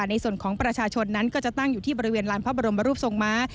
ในส่วนของประชาชนนั้นก็จะตั้งอยู่ที่บริเวณลานพระบรมรูปทรงม้า